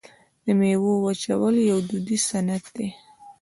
د میوو وچول یو دودیز صنعت دی.